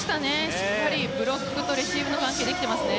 しっかりブロックとレシーブの関係できていますね。